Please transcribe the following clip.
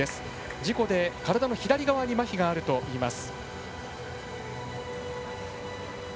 事故で体の左側にまひがあるといいます。